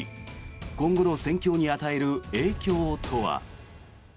今後の戦況に与える影響とは。